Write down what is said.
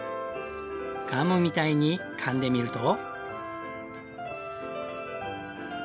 ガムみたいにかんでみると。